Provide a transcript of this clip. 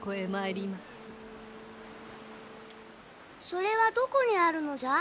それはどこにあるのじゃ？